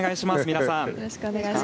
皆さん。